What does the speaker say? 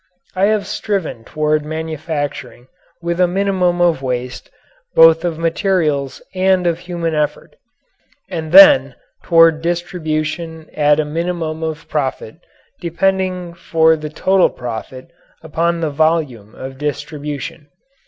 I have striven toward manufacturing with a minimum of waste, both of materials and of human effort, and then toward distribution at a minimum of profit, depending for the total profit upon the volume of distribution.